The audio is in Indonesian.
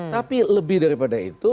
tapi lebih daripada itu